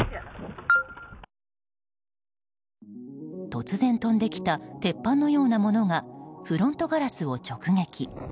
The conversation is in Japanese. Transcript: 突然、飛んできた鉄板のようなものがフロントガラスを直撃。